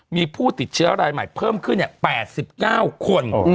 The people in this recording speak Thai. มีผู้ติดเชื้อรายใหม่เพิ่มขึ้น๘๙คน